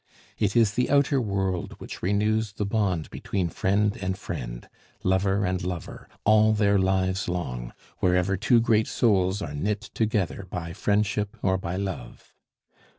It is the outer world which renews the bond between friend and friend, lover and lover, all their lives long, wherever two great souls are knit together by friendship or by love.